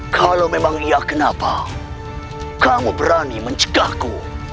kalau memang iya kenapa kamu berani mencegahku